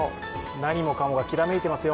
何もかもがきらめいてますよ。